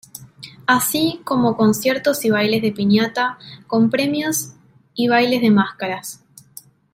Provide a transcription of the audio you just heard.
Así como conciertos y bailes de piñata con premios y bailes de máscaras.